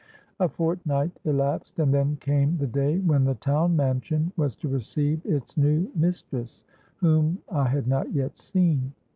A fortnight elapsed; and then came the day when the town mansion was to receive its new mistress, whom I had not yet seen.